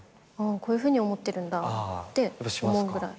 こういうふうに思ってるんだって思うぐらい。